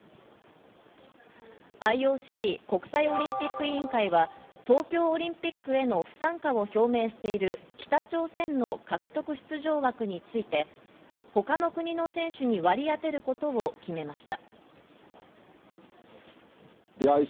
ＩＯＣ＝国際オリンピック委員会は東京オリンピックへの不参加を表明している北朝鮮の獲得出場枠について他の国の選手に割り当てることを決めました。